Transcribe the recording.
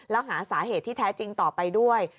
แล้วหาสาเหตุที่แท้จริงต่อไปด้วย